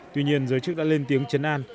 tuy nhiên giới chức đã lên tiếng chấn an